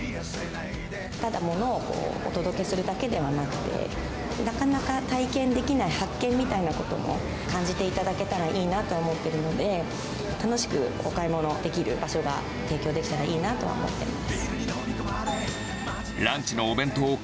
ただ物をお届けするだけではなくて、なかなか体験できない発見みたいなことも感じていただければいいなと思ってるので、楽しくお買い物できる場所が提供できたらいいなと思ってます。